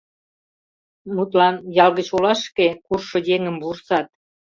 Мутлан, ял гыч олашке куржшо еҥым вурсат.